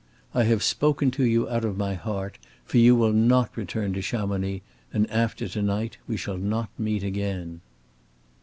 I have spoken to you out of my heart, for you will not return to Chamonix and after to night we shall not meet again."